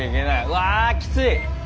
うわきつい！